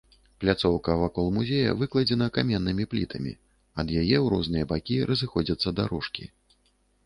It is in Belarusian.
Пляцоўка вакол музея выкладзена каменнымі плітамі, ад яе ў розныя бакі разыходзяцца дарожкі.